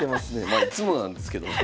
まあいっつもなんですけども。